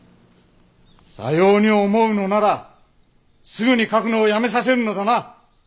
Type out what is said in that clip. さように思うのならすぐに書くのをやめさせるのだな。